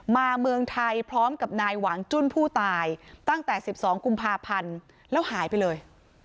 เมืองไทยพร้อมกับนายหวังจุ้นผู้ตายตั้งแต่๑๒กุมภาพันธ์แล้วหายไปเลย